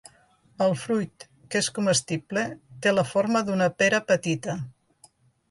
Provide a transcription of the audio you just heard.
El fruit, que és comestible, té la forma d'una pera petita.